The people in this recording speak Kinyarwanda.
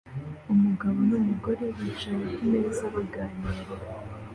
Umugabo numugore bicaye kumeza baganira